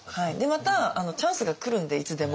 またチャンスが来るんでいつでも。